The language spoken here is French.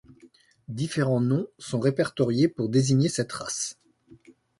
Différents noms sont répertoriés pour désigner cette race.